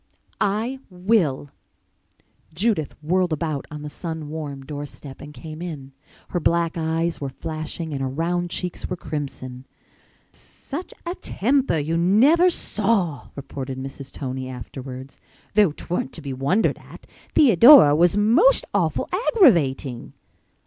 "I will!" Judith whirled about on the sun warm door step and came in. Her black eyes were flashing and her round cheeks were crimson. "Such a temper you never saw!" reported Mrs. Tony afterwards. "Though 'tweren't to be wondered at. Theodora was most awful aggravating."